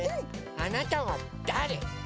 あなたはだれ？